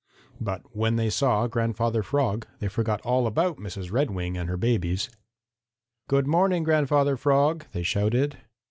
But when they saw Grandfather Frog they forgot all about Mrs. Redwing and her babies. "Good morning, Grandfather Frog!" they shouted.